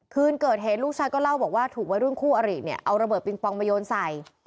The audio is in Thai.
คืนเกิดเหตุลูกชายก็เล่าบอกว่าถูกวัยรุ่นคู่อริเนี่ยเอาระเบิดปิงปองมาโยนใส่